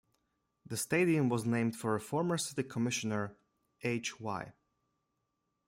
The stadium was named for former city commissioner H. Y.